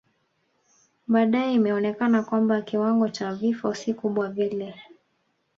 Baadae imeonekana kwamba kiwango cha vifo si kubwa vile